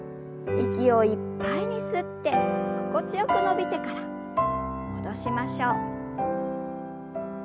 息をいっぱいに吸って心地よく伸びてから戻しましょう。